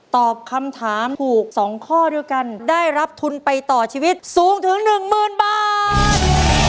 ตอบคำถามถูก๒ข้อด้วยกันได้รับทุนไปต่อชีวิตสูงถึงหนึ่งหมื่นบาท